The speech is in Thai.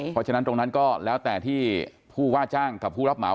เพราะฉะนั้นตรงนั้นก็แล้วแต่ที่ผู้ว่าจ้างกับผู้รับเหมา